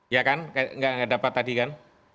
ya kan nggak dapat tadi kan